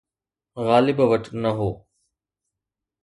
غالب وٽ نه هو.